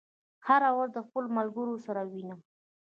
هره ورځ د خپلو ملګرو سره وینم.